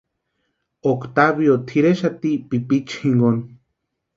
Octavio tʼireraxati pipichuni jinkoni.